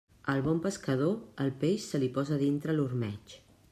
Al bon pescador, el peix se li posa dintre l'ormeig.